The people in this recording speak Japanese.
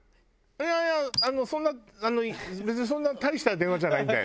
「いやいやあのそんな別にそんな大した電話じゃないんで」。